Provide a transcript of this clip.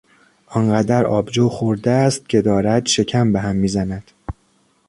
آنقدر آبجو خورده است که دارد شکم به هم میزند.